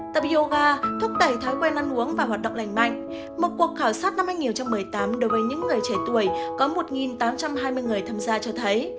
ta bioga thúc đẩy thói quen ăn uống và hoạt động lành mạnh một cuộc khảo sát năm hai nghìn một mươi tám đối với những người trẻ tuổi có một tám trăm hai mươi người tham gia cho thấy